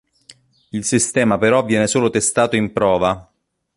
Il sistema però viene solo testato in prova.